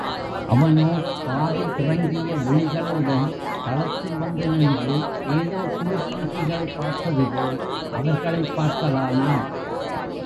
அவனோ பாதி கிறங்கிய விழிகளுடன் தளத்தில் வந்து நின்று ஏதோ புழுப் பூச்சிகளைப் பார்ப்பதுபோல் அவர்களைப் பார்க்கலானான்.